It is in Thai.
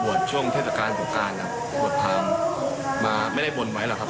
ช่วงเทศกาลสงการบวชทางมาไม่ได้บนไว้หรอกครับ